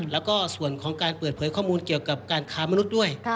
แล้วก็ส่วนของการเปิดเผยข้อมูลเกี่ยวกับการค้ามนุษย์ด้วย